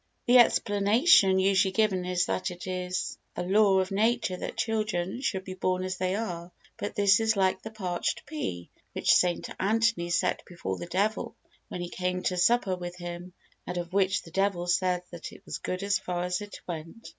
The explanation usually given is that it is a law of nature that children should be born as they are, but this is like the parched pea which St. Anthony set before the devil when he came to supper with him and of which the devil said that it was good as far as it went.